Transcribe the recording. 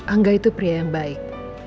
angga itu pria yang baik